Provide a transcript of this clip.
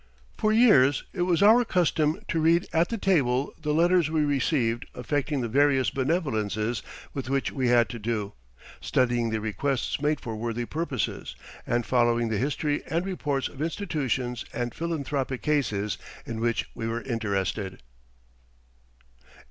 For years it was our custom to read at the table the letters we received affecting the various benevolences with which we had to do, studying the requests made for worthy purposes, and following the history and reports of institutions and philanthropic cases in which we were interested.